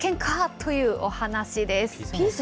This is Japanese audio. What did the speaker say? というお話です。